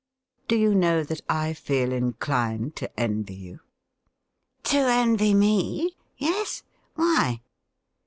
Do you know that I feel inclined to envy you T ' To envy me ? Yes ? Why